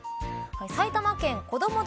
埼玉県こども